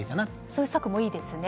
そういう策もいいですね。